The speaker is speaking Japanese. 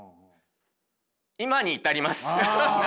今に至ります。